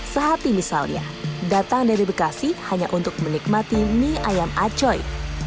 sehati misalnya datang dari bekasi hanya untuk menikmati mie ayam acoy